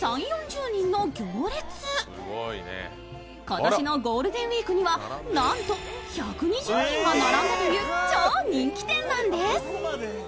今年のゴールデンウイークにはなんと１２０人が並んだという超人気店なんです。